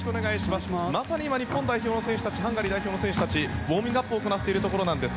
まさに今日本選手たちハンガリー代表の選手たちウォーミングアップを行っているところです。